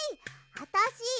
あたし